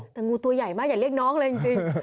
แต่งูตัวใหญ่มากอย่าเรียกน้องเลยจริง